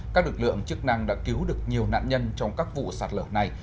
các lực lượng chức năng đã cứu được nhiều nạn nhân trong các vụ sạt lở này